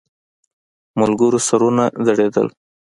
ملګرو سرونه ځړېدل.